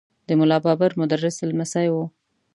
د ملا بابړ مدرس لمسی و.